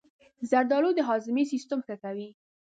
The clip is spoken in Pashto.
زردآلو د هاضمې سیستم ښه کوي.